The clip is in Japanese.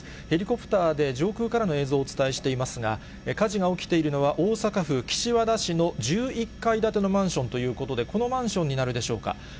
ヘリコプターで上空からの映像をお伝えしていますが、火事が起きているのは、大阪府岸和田市の１１階建てのマンションということで、このマンションになるでしょうか。